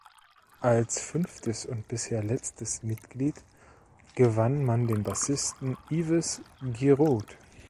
Als fünftes und bisher letztes Mitglied gewann man den Bassisten Yves Giroud.